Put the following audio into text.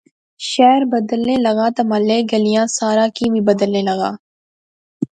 شہر بدھنے لغا تہ محلے گلیاں سارا کی وی بدھنے لغا